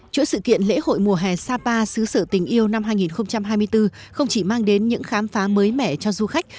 chuỗi sự kiện lễ hội mùa hè sapa sứ sở tình yêu năm hai nghìn hai mươi bốn không chỉ mang đến những khám phá mới mẻ cho du khách